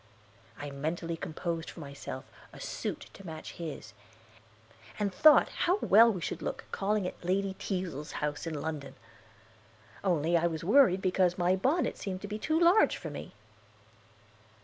I mentally composed for myself a suit to match his, and thought how well we should look calling at Lady Teazle's house in London, only I was worried because my bonnet seemed to be too large for me.